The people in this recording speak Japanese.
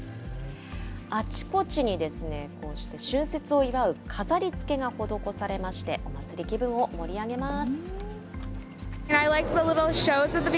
あちこちにこうして、春節を祝う飾りつけが施されまして、お祭り気分を盛り上げます。